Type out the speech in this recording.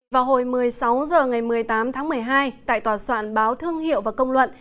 vào hồi một mươi sáu h ngày một mươi tám tháng một mươi hai tại tòa soạn báo thương hiệu và công luận